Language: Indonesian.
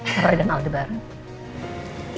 saya sudah kenal mereka